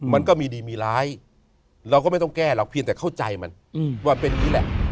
มันก็มีดีมีร้ายเราก็ไม่ต้องแก้หรอกเพียงแต่เข้าใจมันว่าเป็นอย่างนี้แหละ